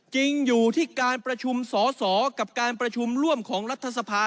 จริงอยู่ที่การประชุมสอสอกับการประชุมร่วมของรัฐสภา